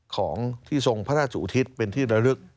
ของที่ทรงพระราชอุทิศเป็นที่ระลึก